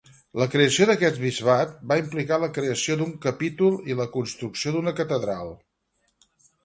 La creació d'aquest bisbat va implicar la creació d'un capítol i la construcció d'una catedral.